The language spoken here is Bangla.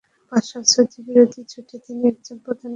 বাদশাহ সৌদ বিরোধী জোটে তিনি একজন প্রধান ব্যক্তি ছিলেন।